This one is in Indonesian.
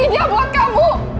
ini dia buat kamu